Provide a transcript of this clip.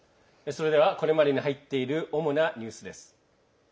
それではこれまでに入っている主なニュースです。